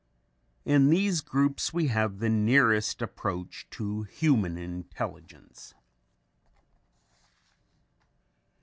In these groups we have the nearest approach to human intelligence.